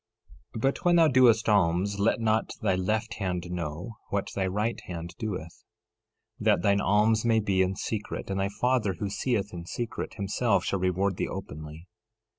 13:3 But when thou doest alms let not thy left hand know what thy right hand doeth; 13:4 That thine alms may be in secret; and thy Father who seeth in secret, himself shall reward thee openly.